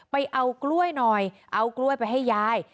ไปเอากล้วยหน่อยเอากล้วยไปให้ยาย